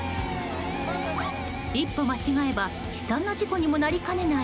一歩間違えば悲惨な事故にもなりかねない